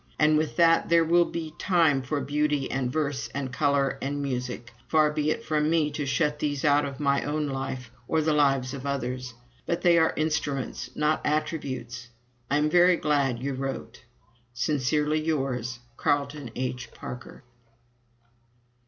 And with it all there will be time for beauty and verse and color and music far be it from me to shut these out of my own life or the lives of others. But they are instruments, not attributes. I am very glad you wrote. Sincerely yours, Carleton H. Parker.